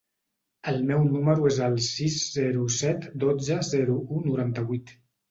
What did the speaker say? El meu número es el sis, zero, set, dotze, zero, u, noranta-vuit.